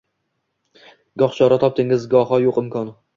Goh chora topdingiz, goho yo’q imkon